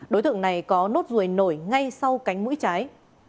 đối tượng này có nốt ruồi nổi ngay sau cánh mũi trái